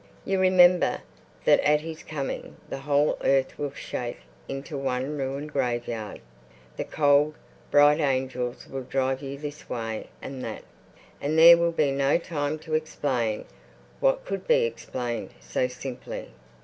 You remember that at His coming the whole earth will shake into one ruined graveyard; the cold, bright angels will drive you this way and that, and there will be no time to explain what could be explained so simply....